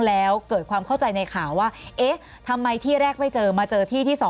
แล้วเกิดความเข้าใจในข่าวว่าเอ๊ะทำไมที่แรกไม่เจอมาเจอที่ที่๒